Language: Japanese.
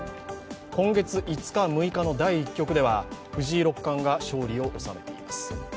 今月５日、６日の第１局では藤井六冠が勝利を収めています。